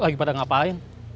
lagi pada ngapain